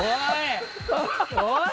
おい！